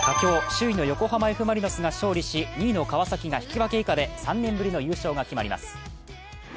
首位の横浜Ｆ・マリノスが勝利し２位の川崎が引き分け以下で３年ぶりの優勝が決まります。